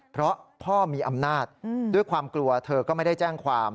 เพราะพ่อมีอำนาจด้วยความกลัวเธอก็ไม่ได้แจ้งความ